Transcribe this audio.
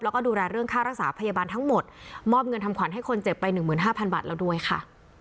แล้วก็ดูแลเรื่องค่ารักษาพยาบาลทั้งหมดมอบเงินทำขวัญให้คนเจ็บไปหนึ่งหมื่นห้าพันบาทแล้วด้วยค่ะ